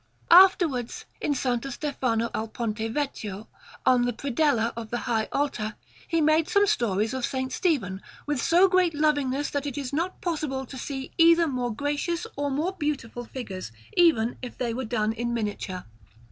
Afterwards, in S. Stefano al Ponte Vecchio, on the predella of the high altar, he made some stories of S. Stephen, with so great lovingness that it is not possible to see either more gracious or more beautiful figures, even if they were done in miniature.